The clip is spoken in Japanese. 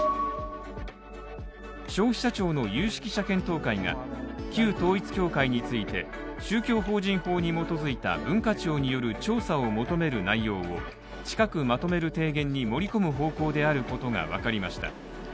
消費者庁の有識者検討会が旧統一教会について宗教法人法に基づいた文化庁による調査を求める内容を近くまとめる提言に盛り込む方向であることが分かりました。